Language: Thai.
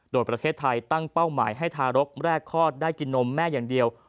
โดยประเทศไทยตั้งเป้าหมายให้ทารกแรกคลอดได้กินนมแม่อย่างเดียว